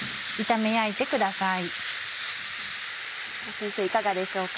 先生いかがでしょうか？